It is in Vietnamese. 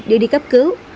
đưa đi cấp cứu